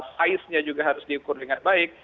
saiznya juga harus diukur dengan baik